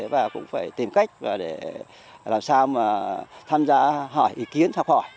và cũng phải tìm cách để làm sao mà tham gia hỏi ý kiến học hỏi